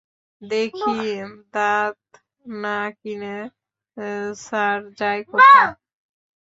দেখি দাঁত না কিনে স্যার যায় কোথায়।